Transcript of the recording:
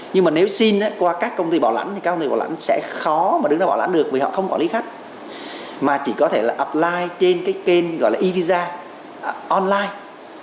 nhưng mà nếu xin qua các công ty bảo lãnh thì các công ty bảo lãnh sẽ khó mà đứng đó bảo lãnh được vì họ không quản lý khách mà chỉ có thể là apply trên cái kênh gọi là e visa online